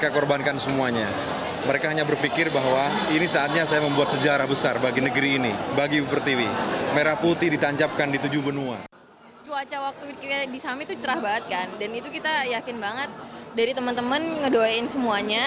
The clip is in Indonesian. kami itu cerah banget kan dan itu kita yakin banget dari teman teman ngedoain semuanya